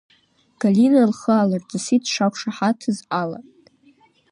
Галина лхы аалырҵысит дшақәшаҳаҭыз ала.